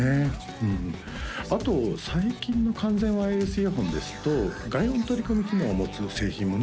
うんあと最近の完全ワイヤレスイヤホンですと外音取り込み機能を持つ製品もね